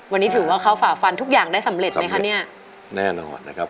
วันนี้ถือว่าเขาฝ่าฟันทุกอย่างได้สำเร็จไหมคะเนี่ยแน่นอนนะครับ